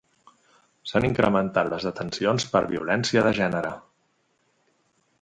S'han incrementat les detencions per violència de gènere.